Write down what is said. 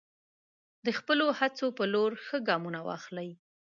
د خپلو هڅو په لور ښه ګامونه واخلئ.